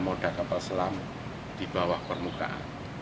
moda kapal selam di bawah permukaan